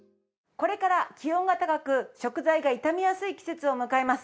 これから気温が高く食材が傷みやすい季節を迎えます。